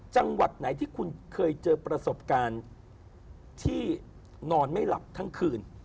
จังหวัดไหนที่คุณเคยเจอประสบการณ์ที่นอนไม่หลับทั้งคืน